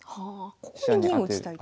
ここに銀を打ちたい。